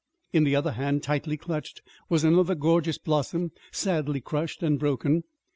In the other hand, tightly clutched, was another gorgeous blossom, sadly crushed and broken.